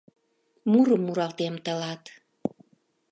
Мурым муралтем тылат, —